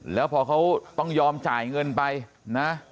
แล้วพอเขาต้องยอมจ่ายเงินไปนะ